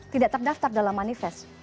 tidak terdaftar dalam manifest